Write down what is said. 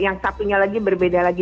yang satunya lagi berbeda lagi